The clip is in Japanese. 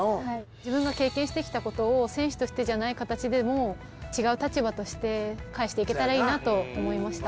自分が経験して来たことを選手としてじゃない形でも違う立場として返して行けたらいいなと思いました。